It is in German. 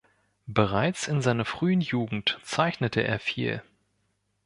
Bereits in seiner frühen Jugend zeichnete er viel.